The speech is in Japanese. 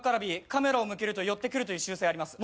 カメラを向けると寄ってくるという習性あります。